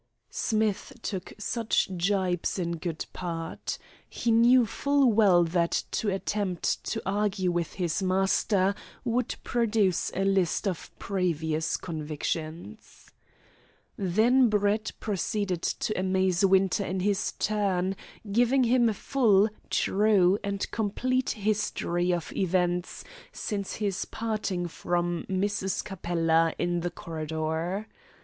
Smith took such jibes in good part. He knew full well that to attempt to argue with his master would produce a list of previous convictions. Then Brett proceeded to amaze Winter in his turn, giving him a full, true, and complete history of events since his parting from Mrs. Capella in the corridor.